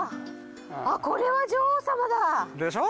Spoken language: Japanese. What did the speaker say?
あっこれは女王様だ。でしょ？